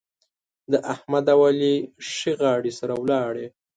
د احمد او علي ښې غاړې سره ولاړې.